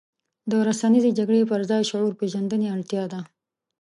د رسنیزې جګړې پر ځای شعور پېژندنې اړتیا ده.